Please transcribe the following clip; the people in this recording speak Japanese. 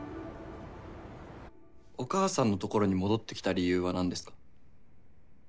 お母さんのところに戻ってきた理由はなんですか？